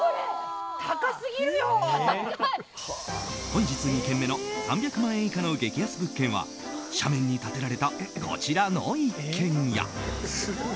本日２軒目の３００万円以下の激安物件は斜面に建てられたこちらの一軒家。